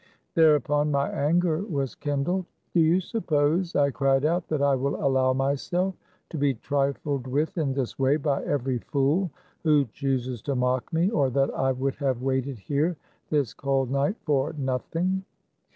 Thereupon my anger was kindled. " Do you suppose," I cried out, " that I will allow myself to be trifled with in this way by every fool who chooses to mock me, or that I would have waited here this cold night for nothing